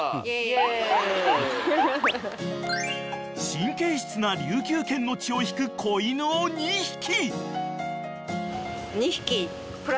［神経質な琉球犬の血を引く子犬を２匹］